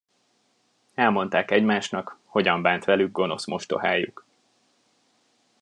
Elmondták egymásnak, hogyan bánt velük gonosz mostohájuk.